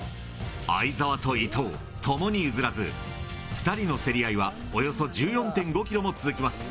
相澤と伊藤、ともに譲らず、２人の競り合いは、およそ１４．５キロも続きます。